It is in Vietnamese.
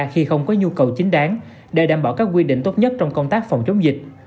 khi không có nhu cầu chính đáng để đảm bảo các quy định tốt nhất trong công tác phòng chống dịch